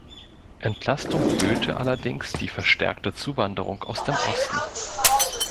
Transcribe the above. Entlastung böte allerdings die verstärkte Zuwanderung aus dem Osten.